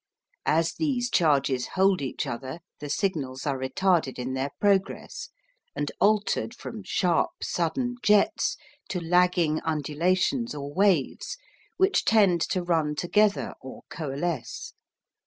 As these charges hold each other the signals are retarded in their progress, and altered from sharp sudden jets to lagging undulations or waves, which tend to run together or coalesce.